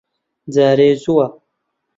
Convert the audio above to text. جارێ زووە.